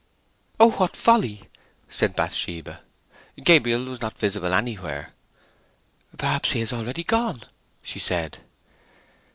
"Oh, what folly!" said Bathsheba. Gabriel was not visible anywhere. "Perhaps he is already gone!" she said.